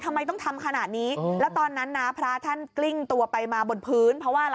ทำไมต้องทำขนาดนี้แล้วตอนนั้นเนี่ยพระท่านกลิ้นตัวไปมาบนพื้น